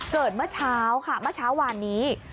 เมื่อเช้าค่ะเมื่อเช้าวานนี้